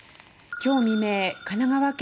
今日未明、神奈川県